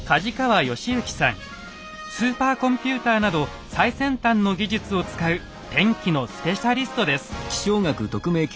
スーパーコンピューターなど最先端の技術を使う天気のスペシャリストです。